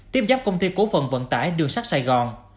tiếp dắp công ty cổ phận vận tải đường sắt sài gòn